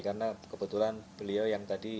karena kebetulan beliau yang tadi